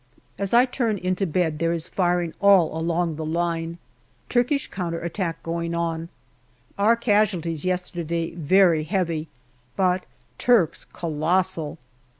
As I turn into bed there is firing all along the line. Turkish counter attack going on. Our casualties yesterday very heavy, but Turks' colossal.